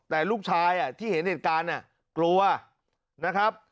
แต่ลูกชายที่เห็นเหตุการณ์กลัวนะครับ